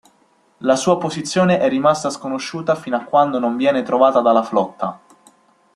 La sua posizione è rimasta sconosciuta fino a quando non viene trovata dalla Flotta.